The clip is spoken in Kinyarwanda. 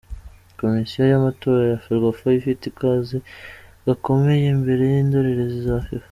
Komisiyo y’amatora ya Ferwafa ifite akazi gakomeye, imbere y’indorerezi za Fifa